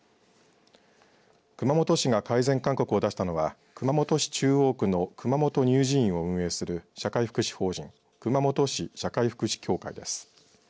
熊本市が改善勧告を出したのは熊本市中央区の熊本乳児院を運営する社会福祉法人熊本市社会福祉協会です。